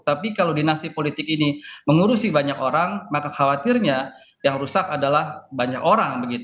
tapi kalau dinasti politik ini mengurusi banyak orang maka khawatirnya yang rusak adalah banyak orang